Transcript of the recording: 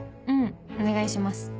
うんお願いします。